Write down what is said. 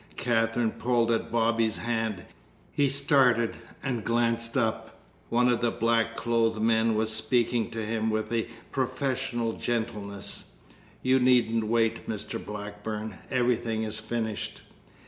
Katherine pulled at Bobby's hand. He started and glanced up. One of the black clothed men was speaking to him with a professional gentleness: "You needn't wait, Mr. Blackburn. Everything is finished."